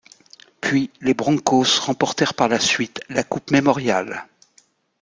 Puis les Broncos remportèrent par la suite la Coupe Memorial.